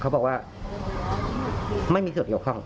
เขาบอกว่าไม่มีส่วนเกี่ยวข้อง